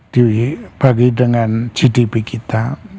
dibagi dengan gdp kita